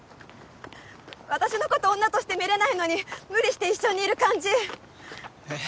私のこと女として見れないのに無理して一緒にいる感じえっ？